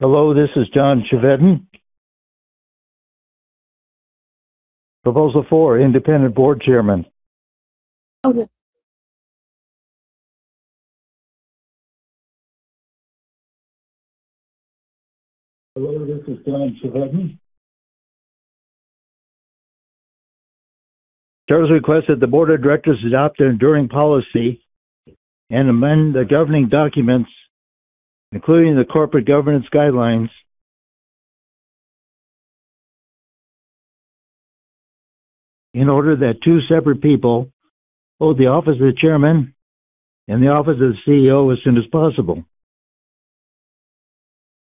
Hello, this is John Chevedden. Proposal four, independent board chairman. Okay. Hello, this is John Chevedden. Charles requests that the board of directors adopt an enduring policy and amend the governing documents, including the corporate governance guidelines in order that two separate people hold the office of the chairman and the office of the CEO as soon as possible.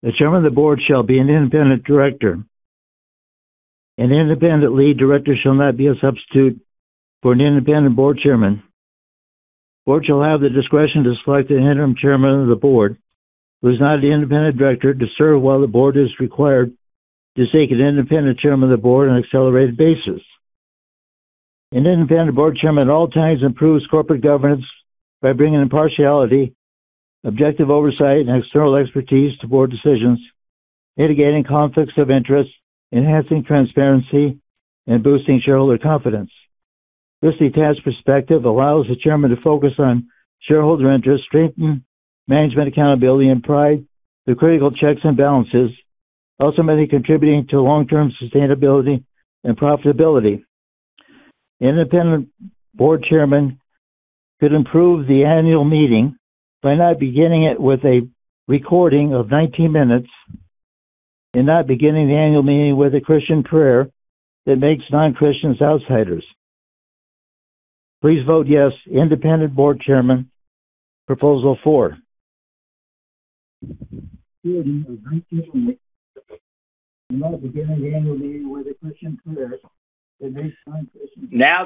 The chairman of the board shall be an independent director. An independent lead director shall not be a substitute for an independent board chairman. Board shall have the discretion to select an interim chairman of the board who is not an independent director to serve while the board is required to seek an independent chairman of the board on an accelerated basis. An independent board chairman at all times improves corporate governance by bringing impartiality, objective oversight, and external expertise to board decisions, mitigating conflicts of interest, enhancing transparency, and boosting shareholder confidence. This detached perspective allows the chairman to focus on shareholder interest, strengthen management accountability, and provide the critical checks and balances, ultimately contributing to long-term sustainability and profitability. Independent board chairman could improve the annual meeting by not beginning it with a recording of 19 minutes and not beginning the annual meeting with a Christian prayer that makes non-Christians outsiders. Please vote yes, independent board chairman, proposal four. Now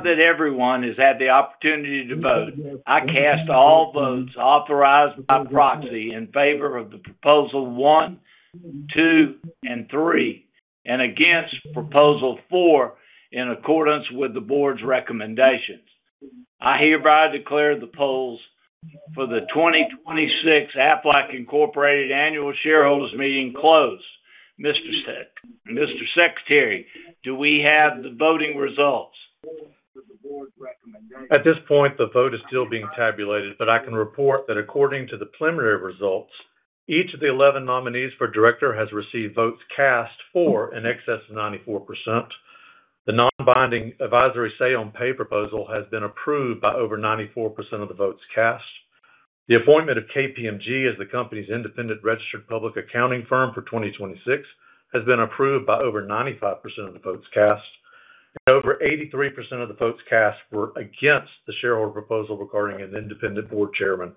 that everyone has had the opportunity to vote, I cast all votes authorized by proxy in favor of the proposal one, two, and three and against proposal four in accordance with the board's recommendations. I hereby declare the polls for the 2026 Aflac Incorporated annual shareholders meeting closed. Mr. Secretary, do we have the voting results? At this point, the vote is still being tabulated, but I can report that according to the preliminary results, each of the 11 nominees for director has received votes cast for in excess of 94%. The non-binding advisory say on pay proposal has been approved by over 94% of the votes cast. The appointment of KPMG as the company's independent registered public accounting firm for 2026 has been approved by over 95% of the votes cast. Over 83% of the votes cast were against the shareholder proposal regarding an independent board chairman.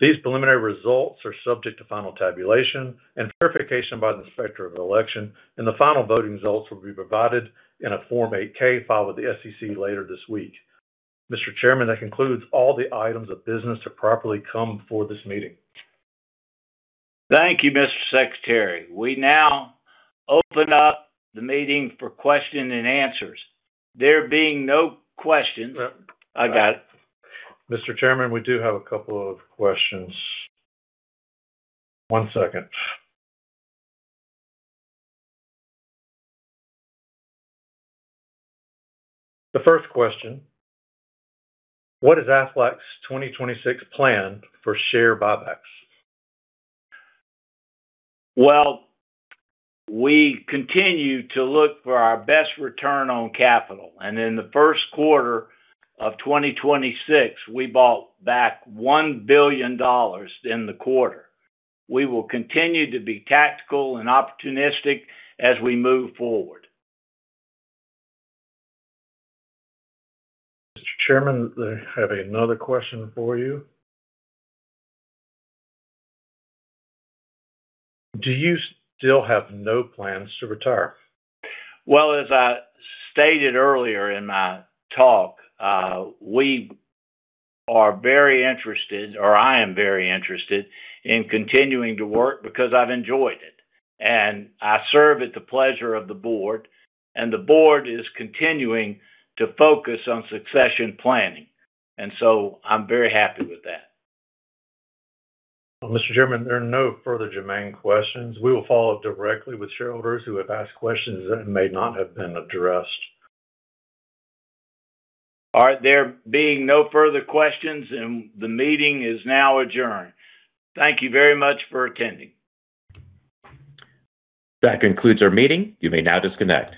These preliminary results are subject to final tabulation and verification by the Inspector of Election, and the final voting results will be provided in a Form 8-K filed with the SEC later this week. Mr. Chairman, that concludes all the items of business to properly come before this meeting. Thank you, Mr. Secretary. We now open up the meeting for question-and-answers. There being no questions. Uh. I got it. Mr. Chairman, we do have a couple of questions. One second. The first question, what is Aflac's 2026 plan for share buybacks? Well, we continue to look for our best return on capital. In the first quarter of 2026, we bought back $1 billion in the quarter. We will continue to be tactical and opportunistic as we move forward. Mr. Chairman, I have another question for you. Do you still have no plans to retire? Well, as I stated earlier in my talk, we are very interested, or I am very interested in continuing to work because I've enjoyed it. I serve at the pleasure of the board, and the board is continuing to focus on succession planning. I'm very happy with that. Mr. Chairman, there are no further germane questions. We will follow up directly with shareholders who have asked questions that may not have been addressed. All right. There being no further questions, the meeting is now adjourned. Thank you very much for attending. That concludes our meeting. You may now disconnect.